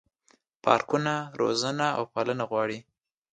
پارکونه روزنه او پالنه غواړي.